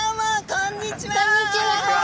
こんにちは！